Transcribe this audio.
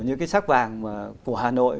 những cái sắc vàng của hà nội